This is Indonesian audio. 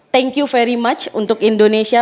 thank you very match untuk indonesia